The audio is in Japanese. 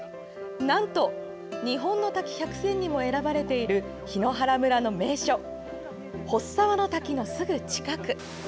なんと、日本の滝百選にも選ばれている檜原村の名所払沢の滝のすぐ近く！